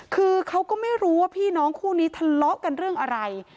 คือเขาก็ไม่รู้ว่าพี่น้องคู่นี้ทะเลาะกันเรื่องอะไร